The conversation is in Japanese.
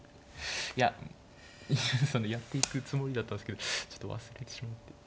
いやそのやっていくつもりだったんですけどちょっと忘れてしまって。